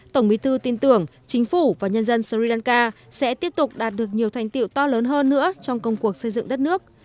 tổng bí thư tin tưởng chính phủ và nhân dân sri lanka sẽ tiếp tục đạt được nhiều thành tiệu to lớn hơn nữa trong công cuộc xây dựng đất nước